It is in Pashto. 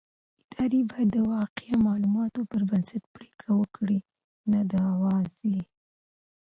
ادارې بايد د واقعي معلوماتو پر بنسټ پرېکړې وکړي نه د اوازې.